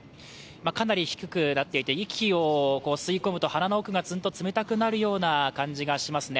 かなり低くなっていて、息を吸い込むと腹の奥がツンと冷たくなるような感覚がしますね。